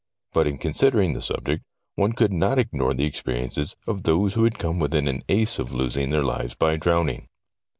But in considering the subject one could not ignore the ex periences of those who had come within an ace of losing their lives by drowning.